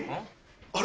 あれ。